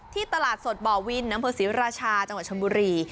ตลาดสดบ่อวินอำเภอศรีราชาจังหวัดชนบุรี